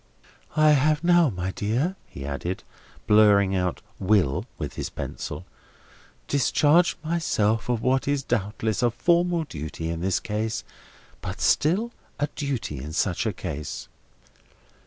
"I have now, my dear," he added, blurring out "Will" with his pencil, "discharged myself of what is doubtless a formal duty in this case, but still a duty in such a case.